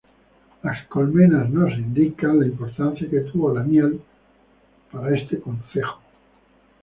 Las colmenas nos indican la importancia que tuvo la miel para este concejo.